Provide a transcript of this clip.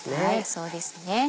そうですね。